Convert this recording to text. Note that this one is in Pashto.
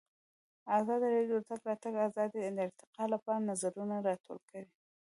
ازادي راډیو د د تګ راتګ ازادي د ارتقا لپاره نظرونه راټول کړي.